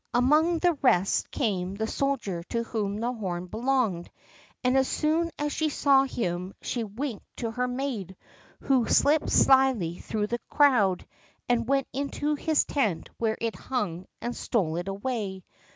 Among the rest came the soldier to whom the horn belonged, and as soon as she saw him she winked to her maid, who slipped slyly through the crowd, and went into his tent where it hung and stole it away.